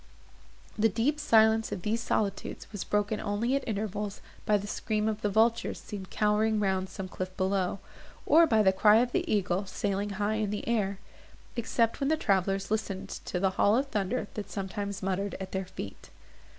The deep silence of these solitudes was broken only at intervals by the scream of the vultures, seen cowering round some cliff below, or by the cry of the eagle sailing high in the air; except when the travellers listened to the hollow thunder that sometimes muttered at their feet.